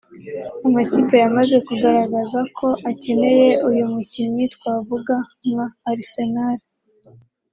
Amakipe yamaze kugaragaza ko akeneye uyu mukinnyi twavuga nka Arsenal